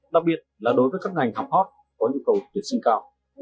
đặc biệt là đối với các ngành học hot có nhu cầu tuyển sinh cao